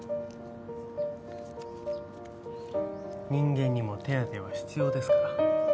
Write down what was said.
人間にも手当は必要ですから。